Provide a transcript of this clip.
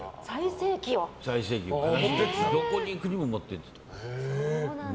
どこに行くにも持って行ってた。